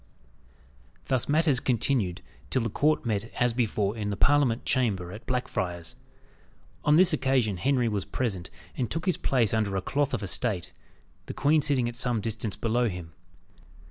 Thus matters continued till the court met as before in the Parliament chamber, at Blackfriars. On this occasion Henry was present, and took his place under a cloth of estate, the queen sitting at some distance below him.